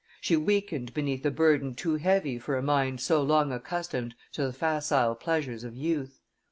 She weakened beneath a burden too heavy for a mind so long accustomed to the facile pleasures of youth.